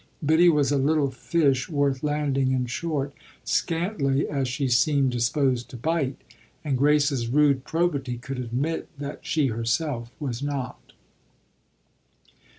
Biddy was a little fish worth landing in short, scantly as she seemed disposed to bite, and Grace's rude probity could admit that she herself was not.